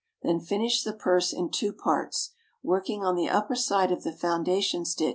Then finish the purse in two parts, working on the upper side of the foundation st.